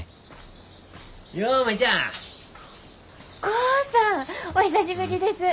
豪さんお久しぶりです。